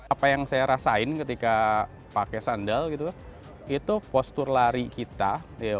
apa yang saya rasain ketika pakai sandal gitu itu postur lari kita